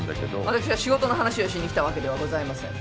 私は仕事の話をしに来たわけではございません。